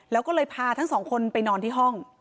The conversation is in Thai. แล้วก็เลยพาทั้งสองคนไปนอนที่ห้อง